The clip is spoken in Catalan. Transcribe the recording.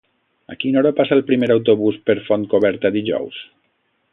A quina hora passa el primer autobús per Fontcoberta dijous?